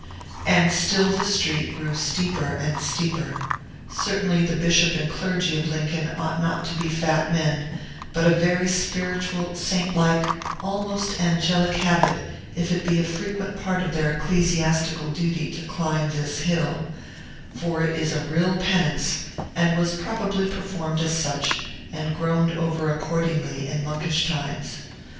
And still the street grew steeper and steeper. Certainly, the Bishop and clergy of Lincoln ought not to be fat men, but of very spiritual, saint like, almost angelic habit, if it be a frequent part of their ecclesiastical duty to climb this hill; for it is a real penance, and was probably performed as such, and groaned over accordingly, in monkish times.